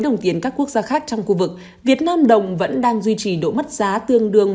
đồng tiền các quốc gia khác trong khu vực việt nam đồng vẫn đang duy trì độ mất giá tương đương